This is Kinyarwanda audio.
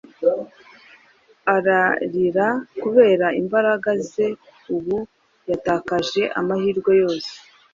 ararira kubera imbaraga ze ubu yatakaje amahirwe yose